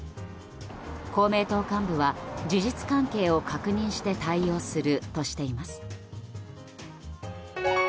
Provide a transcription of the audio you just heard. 公明党幹部は、事実関係を確認して対応するとしています。